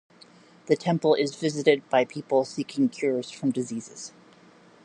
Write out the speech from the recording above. The temple is visited by people seeking cures from diseases.